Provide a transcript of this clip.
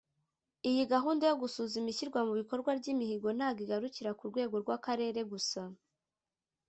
Iyi gahunda yo gusuzuma ishyirwa mu bikorwa ry’imihigo ntago igarukira ku rwego rw’akarere gusa